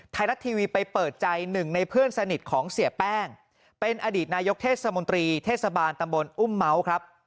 ไทยรัฐทีวีไปเปิดใจหนึ่งในเพื่อนสนิทของเสียแป้งเป็นอดีตนายกเทศมนตรีเทศบาลตำบลอุ้มเมาส์ครับ